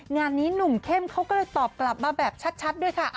งานนี้หนุ่มเข้มเขาก็เลยตอบกลับมาแบบชัดด้วยค่ะ